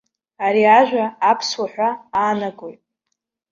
Ари ажәа аԥсуа ҳәа аанагоит.